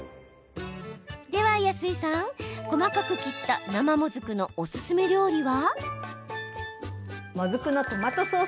では安井さん、細かく切った生もずくのおすすめ料理は？